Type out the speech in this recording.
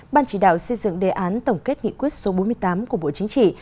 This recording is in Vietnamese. ban chỉ đạo xây dựng đề án tổng kết nghị quyết số bốn mươi tám của bộ chính trị